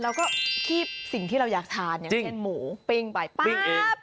เราก็คิบสิ่งที่เราอยากทานแบบหมูปริงไปป๊าบปริงเอง